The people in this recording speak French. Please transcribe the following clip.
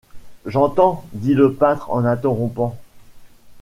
J’entends! dit le peintre en interrompant.